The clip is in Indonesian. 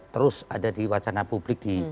terus ada di wacana publik